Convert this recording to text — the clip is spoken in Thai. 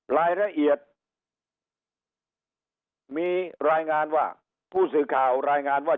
รายละเอียดมีรายงานว่าผู้สื่อข่าวรายงานว่า